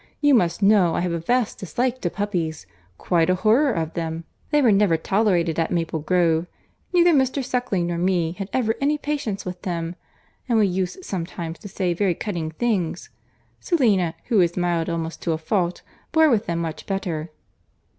You must know I have a vast dislike to puppies—quite a horror of them. They were never tolerated at Maple Grove. Neither Mr. Suckling nor me had ever any patience with them; and we used sometimes to say very cutting things! Selina, who is mild almost to a fault, bore with them much better."